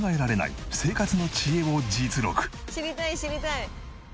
知りたい知りたい。